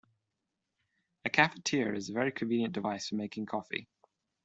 A cafetiere is a very convenient device for making coffee